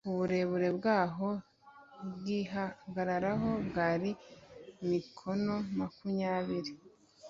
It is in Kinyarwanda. uburebure bwaho bw’igihagararo bwari mikono makumyabiri